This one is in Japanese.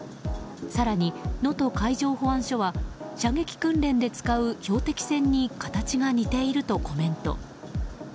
更に能登海上保安署は射撃訓練で使う標的船に形が似ているとコメント。